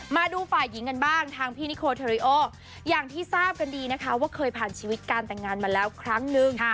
มาดูฝ่ายหญิงกันบ้างทางพี่นิโคเทอริโออย่างที่ทราบกันดีนะคะว่าเคยผ่านชีวิตการแต่งงานมาแล้วครั้งนึง